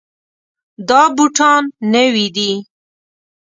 دا بوټان نوي دي.